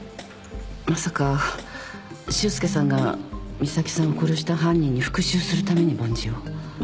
まさか修介さんが美咲さんを殺した犯人に復讐するために梵字を？